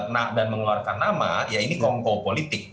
nah dan mengeluarkan nama ya ini kongko politik